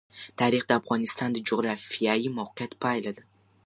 تاریخ د افغانستان د جغرافیایي موقیعت پایله ده.